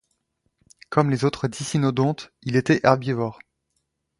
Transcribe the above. Comme les autres dicynodontes, il était herbivore.